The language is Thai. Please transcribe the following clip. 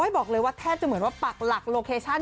บอกเลยว่าแทบจะเหมือนว่าปักหลักโลเคชั่น